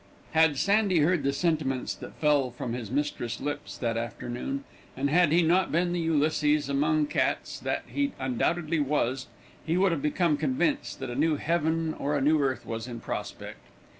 Had Sandy heard the sentiments that fell from his mistress's lips that afternoon, and had he not been the Ulysses among cats that he undoubtedly was, he would have become convinced that a new heaven or a new earth was in prospect.